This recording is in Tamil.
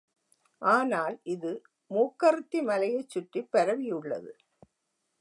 ஆனால் இது மூக்கறுத்தி மலையைச் சுற்றிப் பரவியுள்ளது.